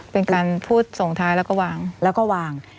เป็นการพูดส่งท้ายแล้วก็วาง